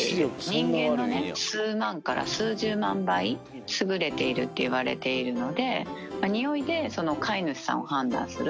人間のね、数万から数十万倍、優れているっていわれているので、においでその飼い主さんを判断する。